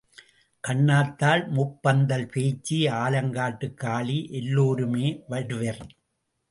கண்ணாத்தாள், முப்பந்தல் பேச்சி, ஆலங்காட்டுக் காளி எல்லோருமே வருவர்.